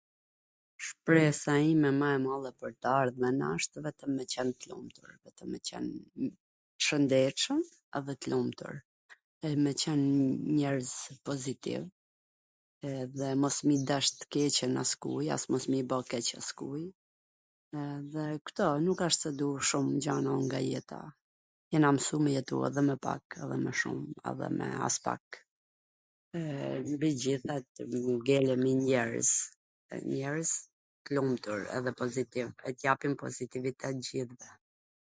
Shpresa ime mw e madhe per t ardhmen asht vetwm me qwn t lumtur, vetwm me qwn t shwndetshwm edhe t lumtur, e me qwn njerz pozitiv, edhe mos m i dash t keqen askuj, as mos me i ba keq askuj, edhe kto, nuk asht se du shum gjana un nga jeta, jena msu me jetu edhe me pak, edhe me shum edhe aspak, mbi t gjitha tw ngelemi njerwz, edhe njerwz t lumtur edhe pozitiv e t japim pozitivitet t gjithve.